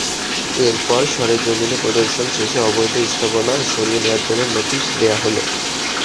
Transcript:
এরপর সরেজমিনে পরিদর্শন শেষে অবৈধ স্থাপনা সরিয়ে নেওয়ার জন্য নোটিশ দেওয়া হলো।